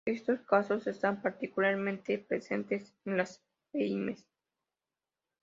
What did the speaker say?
Estos casos están particularmente presentes en las pymes.